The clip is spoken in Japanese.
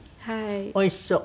おいしそう。